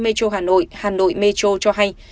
metro hà nội hà nội metro cho hay